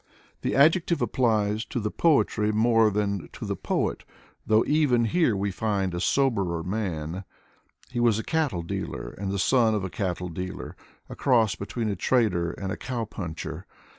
The adjective applies to the poetry more than to the poet, though even here we find a soberer man. He was a cattle dealer and the son of a cattle dealer: a cross between a trader and a cow puncher.